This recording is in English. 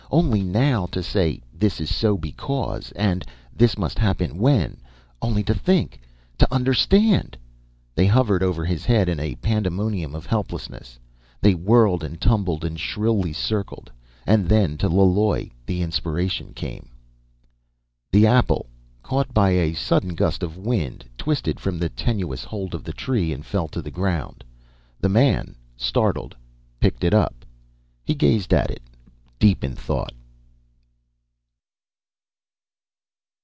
"Only now to say 'this is so because' and 'this must happen when'! Only to think to understand " They hovered over his head, in a pandemonium of helplessness. They whirled, and tumbled, and shrilly circled. And then to Laloi the inspiration came. The apple, caught by a sudden gust of wind, twisted from the tenuous hold of the tree and fell to the ground. The man, startled, picked it up. He gazed at it, deep in thought.